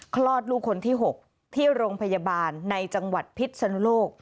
คลอดลูกคนที่๖ที่โรงพยาบาลในจังหวัดพิษนุโลก